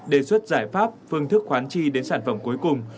đề xuất giải pháp phương thức khoán chi đến sản phẩm cuối cùng